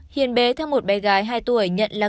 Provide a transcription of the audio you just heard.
hiền bé theo một bé gái hai tuổi nhận là